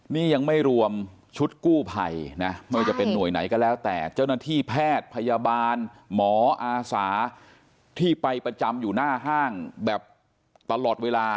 นี่ยังไม่รวมชุดกู้ภัยนะไม่ว่าจะเป็นหน่วยไหนก็แล้วแต่เจ้าหน้าที่แพทย์พยาบาลหมออาสาที่ไปประจำอยู่หน้าห้างแบบตลอดเวลา